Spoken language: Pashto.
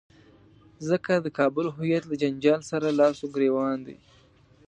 ځکه د کابل هویت له جنجال سره لاس او ګرېوان دی.